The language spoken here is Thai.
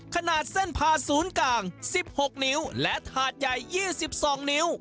ขนาดเส้นผาสูนกลางสิบหกนิ้วและถาดใหญ่ยี่สิบสองนิ้ว